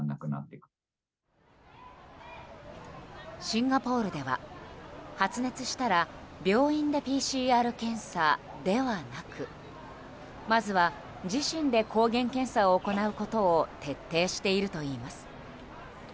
シンガポールでは、発熱したら病院でＰＣＲ検査ではなくまずは自身で抗原検査を行うことを徹底しているといいます。